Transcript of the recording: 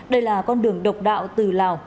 đây là con đường độc đạo từ lào